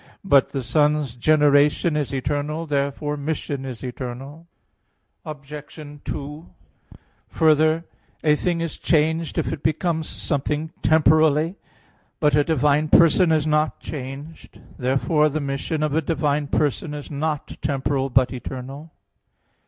But the Son's generation is eternal. Therefore mission is eternal. Obj. 2: Further, a thing is changed if it becomes something temporally. But a divine person is not changed. Therefore the mission of a divine person is not temporal, but eternal.